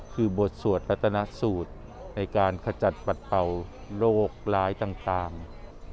คือบทสวดรัตนสูตรในการขจัดปัดเป่าโรคร้ายต่าง